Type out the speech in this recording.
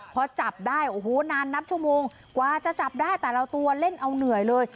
พอจับได้โอ้โหนานนับชั่วโมงกว่าจะจับได้แต่ละตัวเล่นเอาเหนื่อยเลย